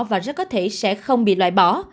và rất có thể sẽ không bị loại bỏ